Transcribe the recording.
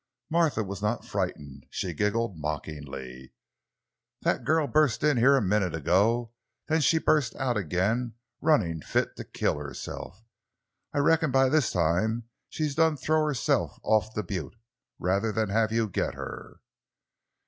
Martha was not frightened; she giggled mockingly. "That girl bust in heah a minute ago; then she bust out ag'in, runnin' fit to kill herself. I reckon by this time she's done throw herself off the butte—rather than have you git her!"